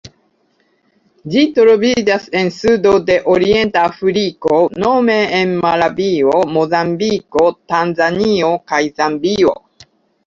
Ĝi troviĝas en sudo de orienta Afriko nome en Malavio, Mozambiko, Tanzanio kaj Zambio.